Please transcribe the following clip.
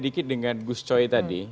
sedikit dengan gus coy tadi